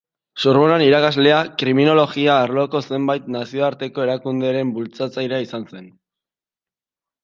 Sorbonan irakaslea, kriminologia arloko zenbait nazioarteko erakunderen bultzatzailea izan zen.